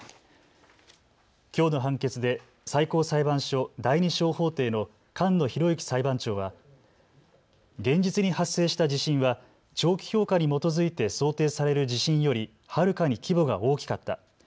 きょうの判決で最高裁判所第２小法廷の菅野博之裁判長は現実に発生した地震は長期評価に基づいて想定される地震より、はるかに規模が大きかった。